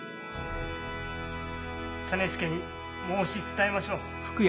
実資に申し伝えましょう。